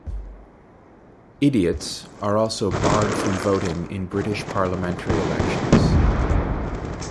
"Idiots" are also barred from voting in British parliamentary elections.